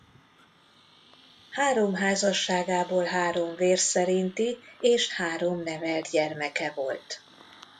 Három házasságából három vér szerinti és három nevelt gyermeke volt.